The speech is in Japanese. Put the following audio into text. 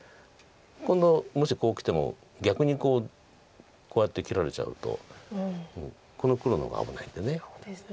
今度もしこうきても逆にこうやって切られちゃうとこの黒の方が危ないんで。